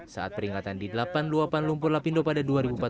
saat peringatan di delapan luapan lumpur lapindo pada dua ribu empat belas